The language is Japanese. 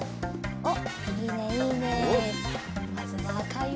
おっ！